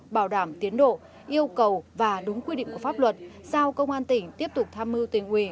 bảo đảm tiến độ yêu cầu và đúng quy định của pháp luật sao công an tỉnh tiếp tục tham mưu tỉnh ủy